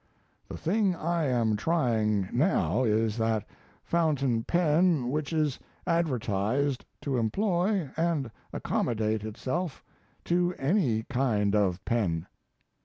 The thing I am trying now is that fountain pen which is advertised to employ and accommodate itself to any kind of pen.